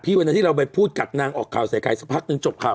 วันนั้นที่เราไปพูดกัดนางออกข่าวใส่ไข่สักพักนึงจบข่าว